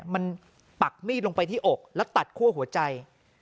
มันปักมีดลงไปที่อกแล้วตัดคั่วหัวใจ